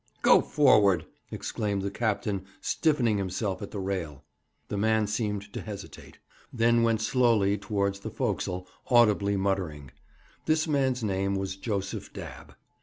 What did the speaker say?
'Go forward!' exclaimed the captain, stiffening himself at the rail. The man seemed to hesitate, then went slowly towards the forecastle, audibly muttering. This man's name was Joseph Dabb.